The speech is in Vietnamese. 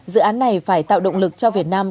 dự án này phải tạo động lực cho việt nam